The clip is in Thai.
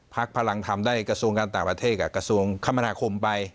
พลังธรรมได้กระทรวงการต่างประเทศกับกระทรวงคมนาคมไป